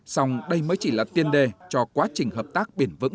xong đây mới chỉ là tiên đề cho quá trình hợp tác